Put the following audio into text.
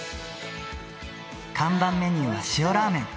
看板メニューは塩らーめん。